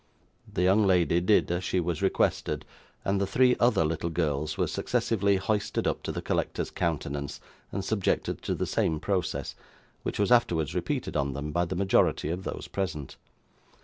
The young lady did as she was requested, and the three other little girls were successively hoisted up to the collector's countenance, and subjected to the same process, which was afterwards repeated on them by the majority of those present.